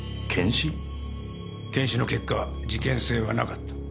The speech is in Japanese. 検視の結果事件性はなかった。